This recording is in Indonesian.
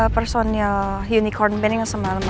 punya hati yang besar